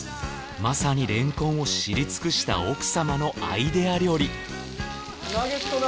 まさにれんこんを知り尽くした奥様のアイデア料理ナゲットだ！